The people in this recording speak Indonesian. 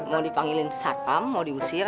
mau dipanggilin satpam mau diusir